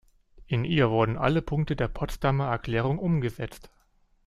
In ihr wurden alle Punkte der Potsdamer Erklärung umgesetzt.